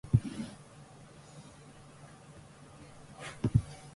紙以外のものも燃えているようだった